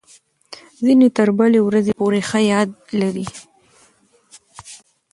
ځینې تر بلې ورځې پورې ښه یاد لري.